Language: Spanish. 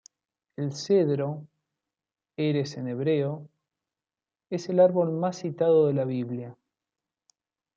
El cedro ―"erez" en hebreo― es el árbol más citado de la Biblia.